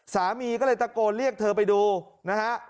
สามีก็เลยตะโกนเรียกเธอไปดูนะฮะ